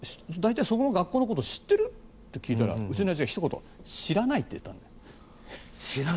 大体そこの学校のこと知ってる？って聞いたら、うちのおやじが知らないって言ったの。